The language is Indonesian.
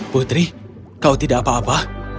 putri kau tidak apa apa